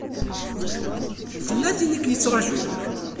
Tella tin i k-yettṛajun.